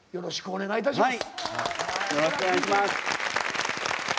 よろしくお願いします。